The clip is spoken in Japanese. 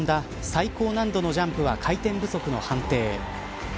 最高難度のジャンプは回転不足の判定。